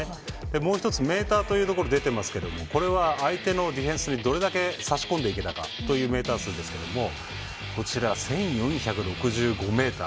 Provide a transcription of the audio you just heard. もう１つ、メーターというのが出ていますがこれは、相手のディフェンスにどれだけ差し込んでいけたかというメーター数ですが１４６５ｍ。